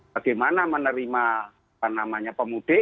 bagaimana menerima penamanya pemudik